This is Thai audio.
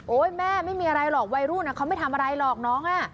แม่ไม่มีอะไรหรอกวัยรุ่นเขาไม่ทำอะไรหรอกน้อง